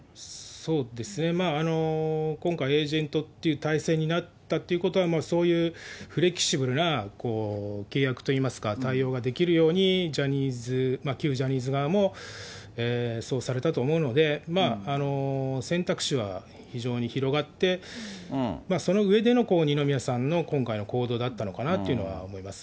そうですね、まあ、今回、エージェントっていう体制になったってことは、そういうフレキシブルな契約といいますか、対応ができるように、ジャニーズ、旧ジャニーズ側もそうされたと思うので、選択肢は非常に広がって、その上での二宮さんの今回の行動だったのかなとは思います。